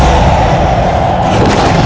amin ya rukh alamin